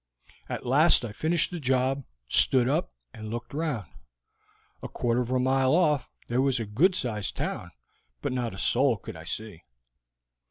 At last I finished the job, stood up, and looked round. A quarter of a mile off there was a good sized town, but not a soul could I see.